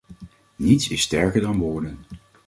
Niets is sterker dan woorden.